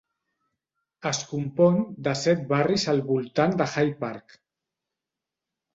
Es compon de set barris al voltant de High Park.